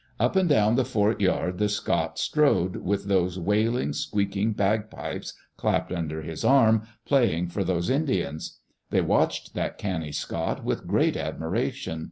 Up and down the fort yard the Scot strode, with those wailing, squeaking bagpipes clapped under his arm, playing for those Indians. They watched that canny Scot with great admiration.